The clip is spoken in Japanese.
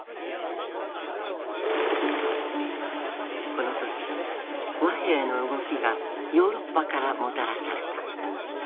この時和平の動きがヨーロッパからもたらされた。